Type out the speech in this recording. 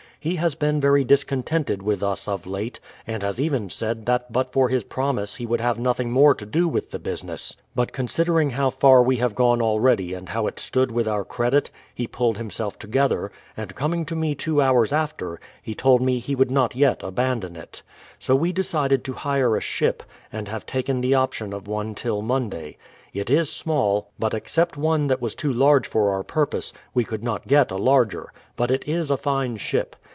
He has been very discontented with us of late, and has even said that but for his promise he would have nothing more to do with the business ; but considering how far we have gone already and how it stood with our credit, he pulled himself together, and coming to me two hours after, he told me he would not j et abandon it. So we de cided to hire a ship, and have taken the option of one till Alonday. It is small, but except one that was too large for our purpose, we could not get a larger ; but it is a fine ship.